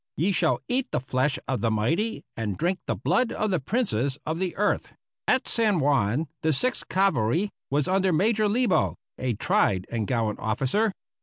. ye shall eat the flesh of the mighty and drink the blood of the princes of the earth." At San Juan the Sixth Cavalry was under Major Lebo, a tried and gallant officer.